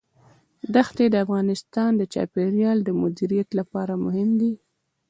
دښتې د افغانستان د چاپیریال د مدیریت لپاره مهم دي.